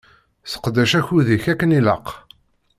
Seqdec akud-ik akken ilaq.